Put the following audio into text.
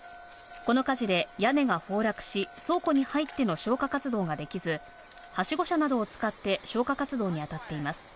この火事で屋根が崩落し、倉庫に入っての消火活動ができず、はしご車などを使って消火活動に当たっています。